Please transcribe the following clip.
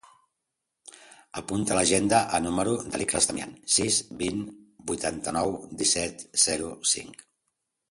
Apunta a l'agenda el número de l'Ikhlas Damian: sis, vint, vuitanta-nou, disset, zero, cinc.